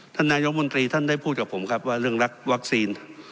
ท่านนายกมนตรีท่านได้พูดกับผมครับว่าเรื่องรักวัคซีน